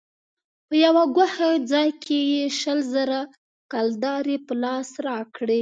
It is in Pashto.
په يوه گوښه ځاى کښې يې شل زره کلدارې په لاس راکړې.